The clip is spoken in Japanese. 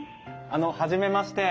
あの初めまして。